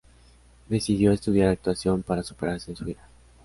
Decidió estudiar actuación para superarse en su vida.